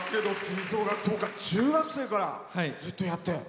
吹奏楽中学生からずっとやって。